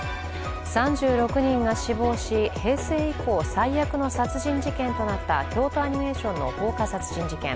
３６人が死亡し、平成以降最悪の殺人事件となった京都アニメーションの放火殺人事件。